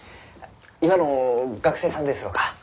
今の学生さんですろうか？